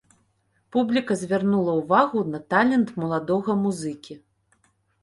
Публіка звярнула ўвагу на талент маладога музыкі.